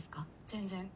全然。